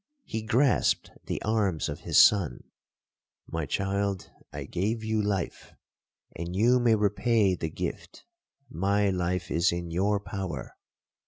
He grasped the arms of his son, 'My child, I gave you life, and you may repay the gift—my life is in your power.